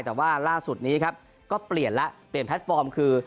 แต่ว่าล่าสุดนี้ครับก็เปลี่ยนแล้วเปลี่ยนแพลตฟอร์มคือ